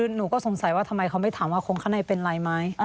หนูก็สงสัยว่าทำไมเขาไม่ถามว่าคนข้างในเป็นไรไหม